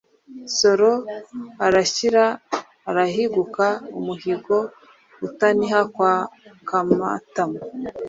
Nsoro arashyira arahiguka, umuhigo utahira kwa Kamatamu,